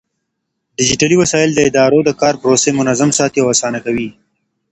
ډيجيټلي وسايل د ادارو د کار پروسې منظم ساتي او آسانه کوي.